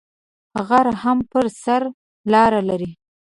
غر هم پر سر لار لری